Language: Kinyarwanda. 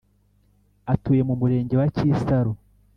atuye mu murenge wa kisaro,